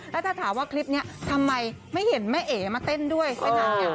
แล้วถ้าถามว่าคลิปนี้ทำไมไม่เห็นแม่เอ๋มาเต้นด้วยไม่นานเนี่ย